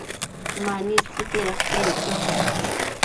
Mani sicaid aquec cho